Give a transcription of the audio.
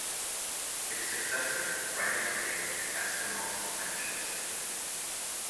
Its successor riding today is Esquimalt-Metchosin.